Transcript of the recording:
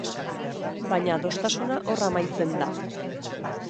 Baina adostasuna hor amaitzen da.